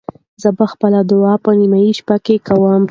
زه به خپله دعا په نیمه شپه کې کوم.